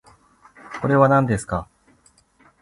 これはなんですか？